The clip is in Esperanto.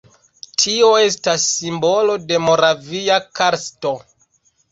Tio estas simbolo de Moravia karsto.